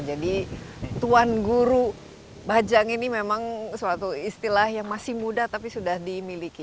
jadi tuan guru bajang ini memang suatu istilah yang masih muda tapi sudah dimiliki